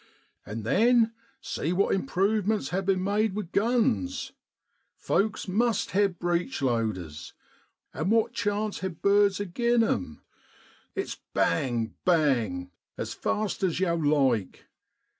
1 An' then, see what improvements ha' bin made with guns: folks must hev breechloaders an' what chance hev birds agin 'em ? It's bang ! bang ! as fast as yow like.